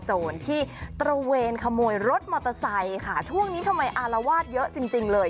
โจรที่ตระเวนขโมยรถมอเตอร์ไซค์ค่ะช่วงนี้ทำไมอารวาสเยอะจริงจริงเลย